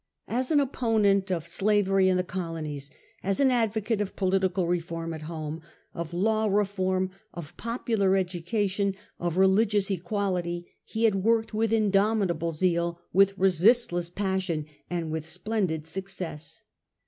As an opponent of slavery in the colonies, as an advocate of political reform at home, of law reform, of popular education, of religious equality, he had worked with indomitable zeal, with resistless passion, and with splendid success.